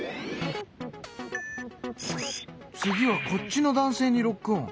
次はこっちの男性にロックオン。